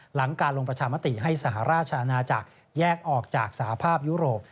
หลังการลงประชามติให้สหราชอาณาจักรแยกออกจากสหภาพยุโรป